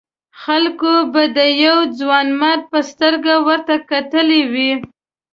خلکو به د یوه ځوانمرد په سترګه ورته کتلي وي.